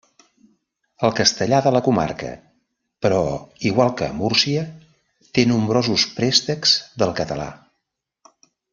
El castellà de la comarca, però, igual que a Múrcia, té nombrosos préstecs del català.